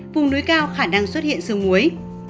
vùng núi cao khả năng xuất hiện sương mùi